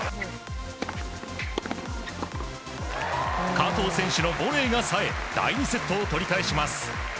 加藤選手のボレーが冴え第２セットを取り返します。